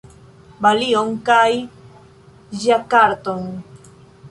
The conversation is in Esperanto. Balion kaj Ĝakarton